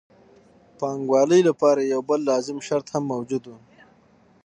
د پانګوالۍ لپاره یو بل لازم شرط هم موجود وو